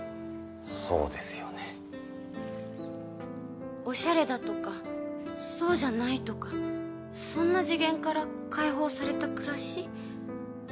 そうですよねおしゃれだとかそうじゃないとかそんな次元から解放された暮らし？